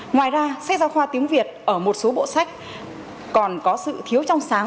ngoài ra sách giáo khoa tiếng việt ở một số bộ sách còn có sự thiếu trong sáng